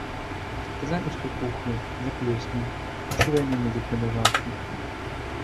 Казалі, што тухлы, заплеснеў, усю вайну недзе праляжаўшы.